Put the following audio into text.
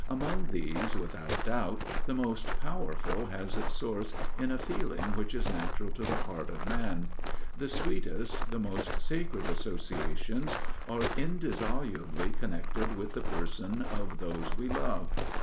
Among these, without doubt, the most powerful has its source in a feeling which is natural to the heart of man. The sweetest, the most sacred associations are indissolubly connected with the person of those we love.